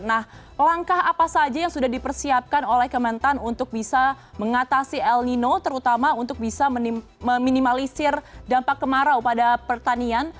nah langkah apa saja yang sudah dipersiapkan oleh kementan untuk bisa mengatasi el nino terutama untuk bisa meminimalisir dampak kemarau pada pertanian